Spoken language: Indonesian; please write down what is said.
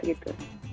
atau tidak gitu